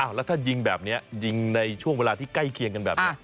แล้วถ้ายิงแบบนี้ยิงในช่วงเวลาที่ใกล้เคียงกันแบบนี้